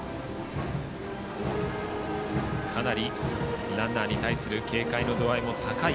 かなりランナーに対する警戒度合いも高い